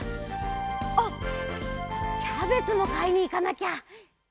あっキャベツもかいにいかなきゃ。